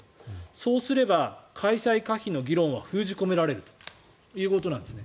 そうすれば、開催可否の議論は封じ込められるということなんですね。